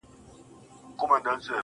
چي کله دې زموږ د مرگ فتواء ورکړه پردو ته~